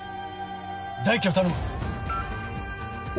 大樹を頼む。